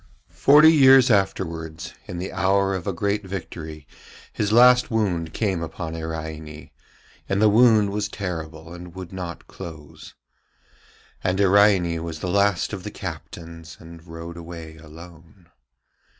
Forty years afterwards, in the hour of a great victory, his last wound came upon Iraine, and the wound was terrible and would not close. And Iraine was the last of the captains, and rode away alone.